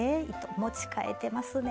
持ちかえてますね。